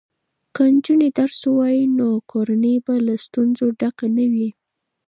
که نجونې درس ووایي نو کورنۍ به له ستونزو ډکه نه وي.